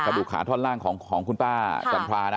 ดูขาท่อนล่างของคุณป้าจันทรานะ